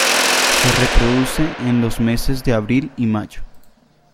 Se reproduce en los meses de abril y mayo.